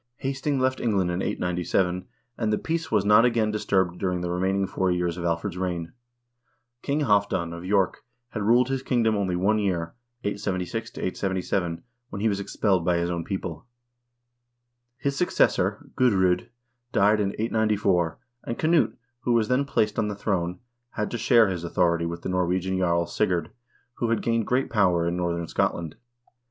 Hasting left England in 897, and the peace was not again disturbed during the remaining four years of Alfred's reign. King Halvdan of York had ruled his kingdom only one year (876 877), when he was expelled by his own people. His successor, Gudr0d, died in 894, and Knut, who was then placed on the throne, had to share his authority with the Norwegian jarl, Sigurd, who had gained great power in northern Scotland.